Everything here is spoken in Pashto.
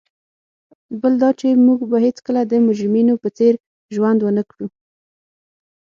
بل دا چي موږ به هیڅکله د مجرمینو په څېر ژوند ونه کړو.